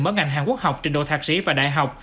mở ngành hàng quốc học trình độ thạc sĩ và đại học